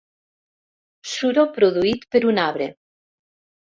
Suro produït per un arbre.